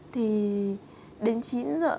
thì đến chín giờ